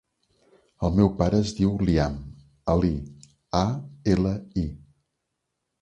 El meu pare es diu Liam Ali: a, ela, i.